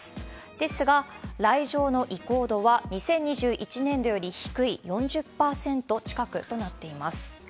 ですが、来場の意向度は、２０２１年度より低い４０％近くとなっています。